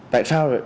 tại sao vậy